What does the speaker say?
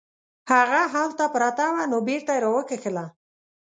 هغه هلته پرته وه نو بیرته یې راوکښله.